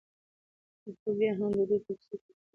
؛ خو بيا هم د دوى په کيسو کې ښځه